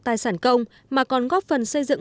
tài sản công mà còn góp phần xây dựng